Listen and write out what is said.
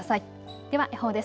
では予報です。